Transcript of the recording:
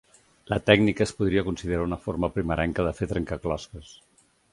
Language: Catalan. La tècnica es podria considerar una forma primerenca de fer trencaclosques.